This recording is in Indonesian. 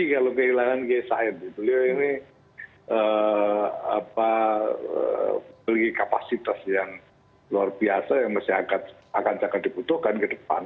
kalau kehilangan kiai said beliau ini memiliki kapasitas yang luar biasa yang masih akan sangat dibutuhkan ke depan